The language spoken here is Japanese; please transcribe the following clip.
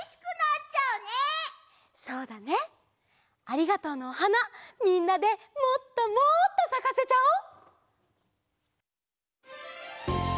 ありがとうのおはなみんなでもっともっとさかせちゃおう！